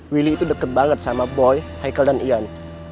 willy itu deket banget sama boy heikel dan iyan